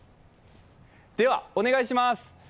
では、お願いします。